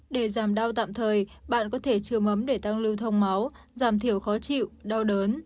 để giảm đau tạm thời bạn có thể trừ ấm để tăng lưu thông máu giảm thiểu khó chịu đau đớn